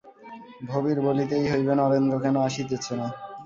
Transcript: ভবির বলিতেই হইবে নরেন্দ্র কেন আসিতেছে না।